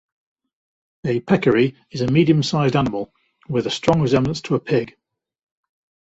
A peccary is a medium-sized animal, with a strong resemblance to a pig.